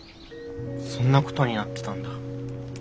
そんなことになってたんだ。